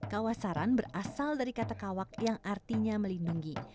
kawasaran berasal dari kata kawak yang artinya melindungi